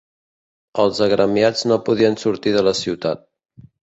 Els agremiats no podien sortir de la ciutat.